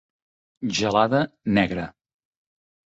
Gelada negra